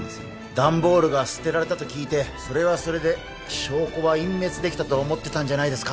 段ボールが捨てられたと聞いてそれはそれで証拠は隠滅できたと思ってたんじゃないですか？